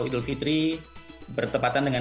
idul fitri bertepatan dengan